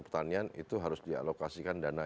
pertanian itu harus dialokasikan dana